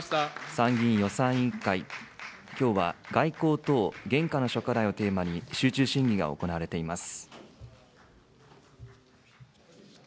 参議院予算委員会、きょうは外交等現下の諸課題をテーマに、集中審議が行われています。